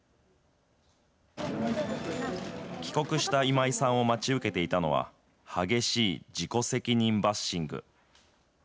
帰国した今井さんを待ち受けていたのは、激しい自己責任バッシング。